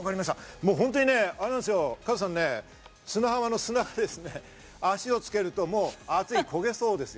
加藤さん、砂浜の砂がね、足をつけると熱い、焦げそうです。